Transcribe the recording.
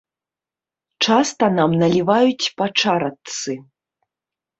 Часта нам наліваюць па чарачцы.